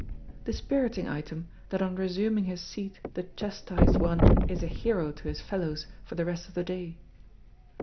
Dispiriting item, that on resuming his seat the chastised one is a hero to his fellows for the rest of the day.